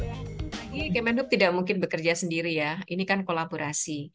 lagi kemenhub tidak mungkin bekerja sendiri ya ini kan kolaborasi